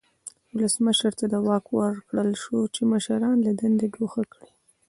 ولسمشر ته دا واک ورکړل شو چې مشران له دندې ګوښه کړي.